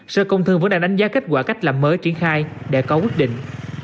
sở công thương vẫn đang đánh giá kết quả cách làm mới triển khai để có quyết định